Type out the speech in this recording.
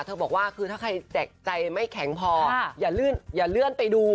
เธอบอกว่าคือถ้าใครแตกใจไม่แข็งพอค่ะอย่าลื่นอย่าเลื่อนไปดู